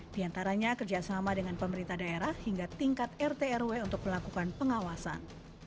di antaranya kerjasama dengan pemerintah daerah hingga tingkat rt rw untuk melakukan pengawasan